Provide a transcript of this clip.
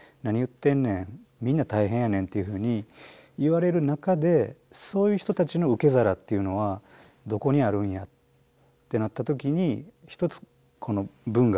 っていうふうに言われる中でそういう人たちの受け皿っていうのはどこにあるんやってなった時に一つこの文学。